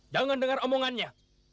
jangan dengar omongannya